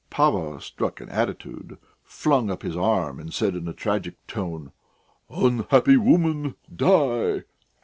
Pava struck an attitude, flung up his arm, and said in a tragic tone: "Unhappy woman, die!"